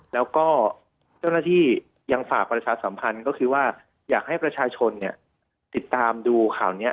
แล้วก็เจ้าหน้าที่ยังฝากประชาสัมพันธ์ก็คือว่าอยากให้ประชาชนติดตามดูข่าวนี้